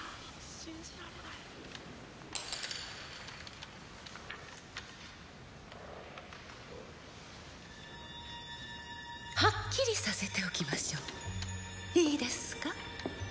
信じられないはっきりさせておきましょういいですか